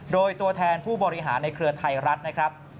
โดยตัวแทนผู้บริหารในเครือไทยรัฐนะครับ